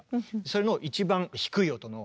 それの一番低い音のＧ線。